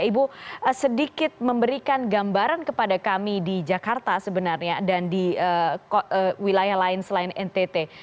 ibu sedikit memberikan gambaran kepada kami di jakarta sebenarnya dan di wilayah lain selain ntt